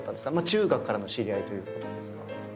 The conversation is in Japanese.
中学からの知り合いということですが。